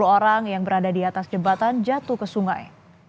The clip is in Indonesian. sepuluh orang yang berada di atas jembatan jatuh ke sungai